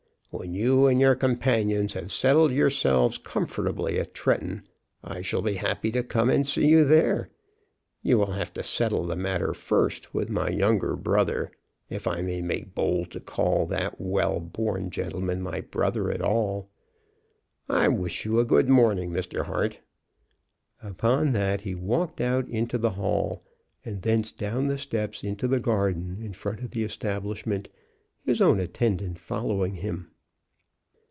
When you and your companions have settled yourselves comfortably at Tretton, I shall be happy to come and see you there. You will have to settle the matter first with my younger brother, if I may make bold to call that well born gentleman my brother at all. I wish you a good morning, Mr. Hart." Upon that he walked out into the hall, and thence down the steps into the garden in front of the establishment, his own attendant following him.